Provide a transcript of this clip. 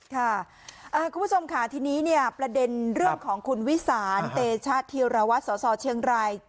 ค่ะคุณผู้ชมค่ะทีนีประดีนเรื่องของวิสารเทชถีระวัตรสสเึไทย